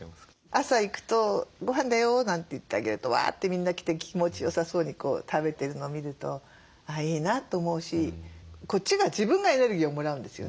朝行くと「ごはんだよ」なんて言ってあげるとわってみんな来て気持ちよさそうに食べてるのを見るとあいいなと思うしこっちが自分がエネルギーをもらうんですよね。